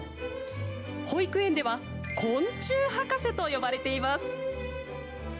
保育園では昆虫博士と呼ばれています。